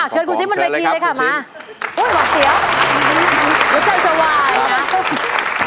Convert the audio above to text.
เชิญคุณซิมมาบัยทีเลยค่ะโอ้ยหวัดเสียวรู้สึกว่าจะวายนะ